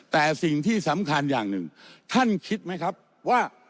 แต่สิ่งที่สำคัญอย่างหนึ่งท่านคิดไหมครับว่า